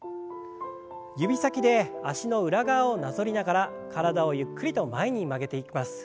指先で脚の裏側をなぞりながら体をゆっくりと前に曲げていきます。